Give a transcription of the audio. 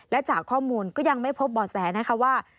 และจากข้อมูลก็ยังไม่พบบ่อแสนะคะว่า